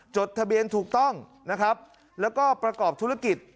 จดทะเบียนถูกต้องนะครับแล้วก็ประกอบธุรกิจ